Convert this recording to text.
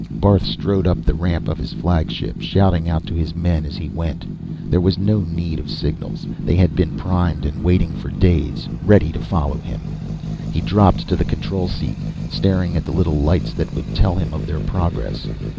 Barth strode up the ramp of his flagship, shouting out to his men as he went. There was no need of signals. They had been primed and waiting for days, ready to follow him up. He dropped to the control seat, staring at the little lights that would tell him of their progress.